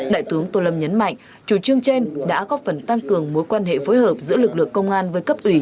đại tướng tô lâm nhấn mạnh chủ trương trên đã góp phần tăng cường mối quan hệ phối hợp giữa lực lượng công an với cấp ủy